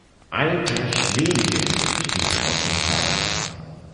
Alter Schwede!, stieß Frau Kunze aus.